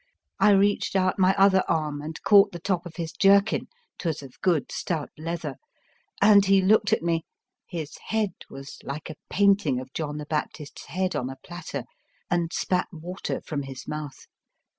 I reached out my other arm and caught the top of his jerkin — 'twas of good stout leather, — and he looked at me (his head was like a painting of John the Baptist's head on a platter) and spat water from his mouth.